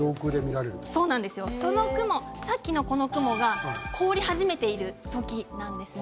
その雲、さっきのこの雲が凍り始めている時なんですね。